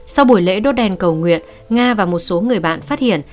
sau buổi lễ đốt đèn cầu nguyện nga và một số người bạn phát hiện